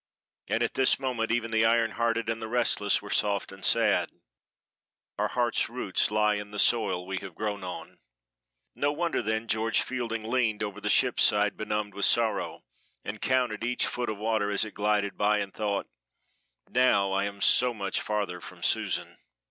And at this moment even the iron hearted and the reckless were soft and sad. Our hearts' roots lie in the soil we have grown on. No wonder then George Fielding leaned over the ship side benumbed with sorrow, and counted each foot of water as it glided by, and thought "Now I am so much farther from Susan."